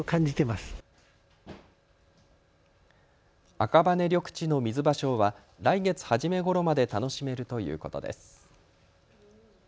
赤羽緑地のミズバショウは来月初めごろまで楽しめるということです。